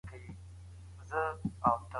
ذهن غواړي چي اړیکي کشف کړي.